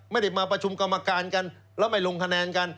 ไม่ได้มาประชุมกรรมการกันแล้วไม่ลงคะแนนกัน